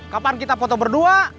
kapan kita foto berdua